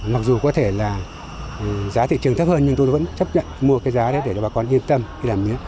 mặc dù có thể là giá thị trường thấp hơn nhưng tôi nó vẫn chấp nhận mua cái giá đấy để cho bà con yên tâm khi làm mía